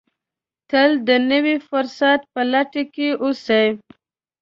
تل د نوي فرصت په لټه کې اوسئ.